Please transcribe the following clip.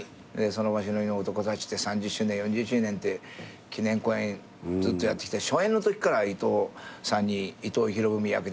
『その場しのぎの男たち』って３０周年４０周年って記念公演ずっとやってきて初演のときから伊東さんに伊藤博文役で出ていただいて。